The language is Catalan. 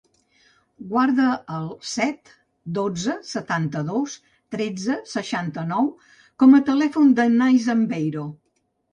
Guarda el set, dotze, setanta-dos, tretze, seixanta-nou com a telèfon del Neizan Beiro.